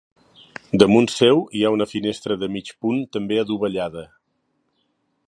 Damunt seu hi ha una finestra de mig punt també adovellada.